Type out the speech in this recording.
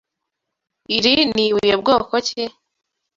Iri ni ibuye bwoko ki?